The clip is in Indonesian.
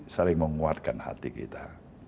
saling menguatkan hati kita